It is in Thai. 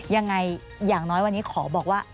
อย่างไรอย่างน้อยวันนี้ขอบอกว่า